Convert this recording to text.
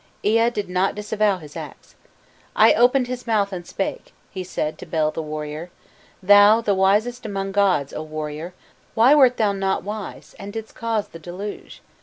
Ea did not disavow his acts: "he opened his mouth and spake; he said to Bel the warrior: 'Thou, the wisest among the gods, O warrior, why wert thou not wise, and didst cause the deluge?